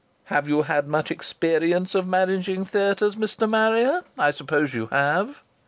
Have you had much experience of managing theatres, Mr. Marrier? I suppose you have."